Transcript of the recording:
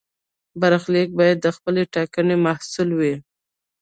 برخلیک باید د خپلې ټاکنې محصول وي.